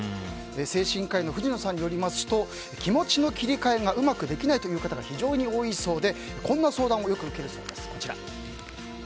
精神科医の藤野さんによりますと気持ちの切り替えがうまくできないという方が非常に多いそうでこんな相談をよく受けるそうです。